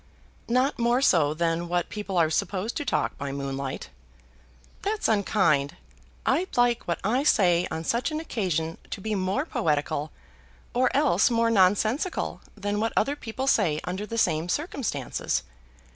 "Not more so than what people are supposed to talk by moonlight." "That's unkind. I'd like what I say on such an occasion to be more poetical or else more nonsensical than what other people say under the same circumstances.